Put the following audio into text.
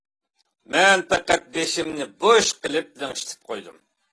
مەن پەقەت بېشىمنى بوش قىلىپ لىڭشىتىپ قويدۇم.